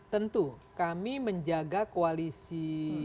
tentu kami menjaga koalisi